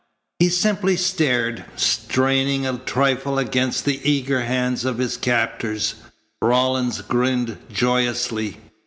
He simply stared, straining a trifle against the eager hands of his captors. Rawlins grinned joyously.